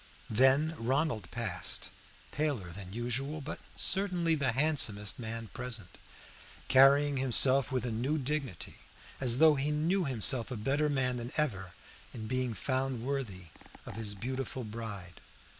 Then Ronald passed, paler than usual, but certainly the handsomest man present, carrying himself with a new dignity, as though he knew himself a better man than ever in being found worthy of his beautiful bride.